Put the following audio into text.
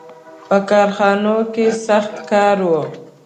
• په کارخانو کې سخت کار و.